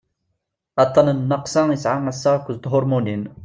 aṭṭan n nnaqsa migraine yesɛa assaɣ akked thurmunin hormones